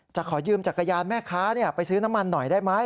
ขอยืมจักรยานแม่ค้าไปซื้อน้ำมันหน่อยได้ไหม